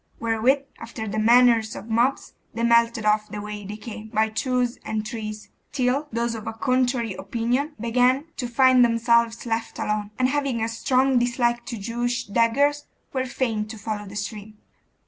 Wherewith, after the manner of mobs, they melted off the way they came, by twos and threes, till those of a contrary opinion began to find themselves left alone, and having a strong dislike to Jewish daggers, were fain to follow the stream.